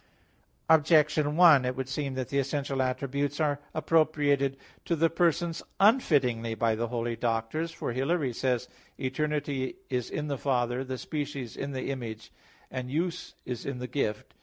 Objection 1: It would seem that the essential attributes are appropriated to the persons unfittingly by the holy doctors. For Hilary says (De Trin. ii): "Eternity is in the Father, the species in the Image; and use is in the Gift."